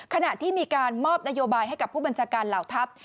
ขณะที่มีการมอบนโยบายให้กับผู้บัญชาการเหล่าทัพ